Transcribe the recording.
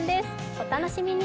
お楽しみに。